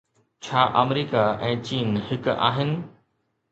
ڇا آمريڪا ۽ چين هڪ آهن؟